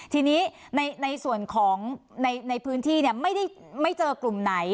ทีนี้ในส่วนของในพื้นที่ไม่เจอกลุ่มไหน